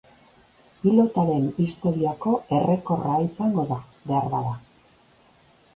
Pilotaren historiako errekorra izango da, beharbada.